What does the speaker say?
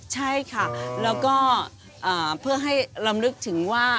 ใช่ค่ะแล้วก็เพื่อให้ลำลึกถึงว่า